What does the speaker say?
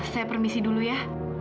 saya permisi dulu ya